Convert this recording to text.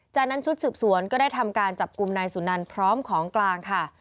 จากนั้นชุดสืบสวนก็ได้ทำการจับกลุ่มนายสุนันพร้อมของกลางค่ะ